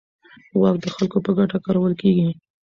واک د خلکو په ګټه کارول کېږي.